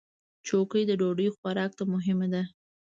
چوکۍ د ډوډۍ خوراک ته مهمه ده.